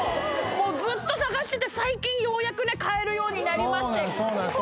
もうずっと探してて最近ようやくね買えるようになりましてそうなんです